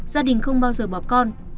gia đình không bao giờ bỏ con